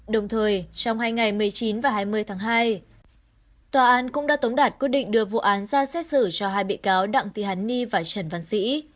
đồng thời trong hai ngày một mươi chín và hai mươi tháng hai tòa án cũng đã tống đạt quyết định đưa vụ án ra xét xử cho hai bị cáo đặng thị hàn ni và trần văn sĩ